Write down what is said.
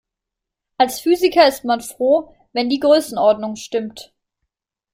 Als Physiker ist man froh, wenn die Größenordnung stimmt.